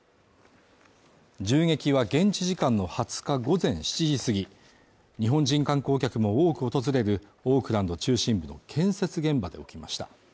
銃撃は現地時間の２０日午前７時すぎ、日本人観光客も多く訪れるオークランド中心部の建設現場で起きました。